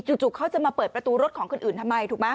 เขาจะมาเปิดประตูรถของคนอื่นทำไมถูกไหม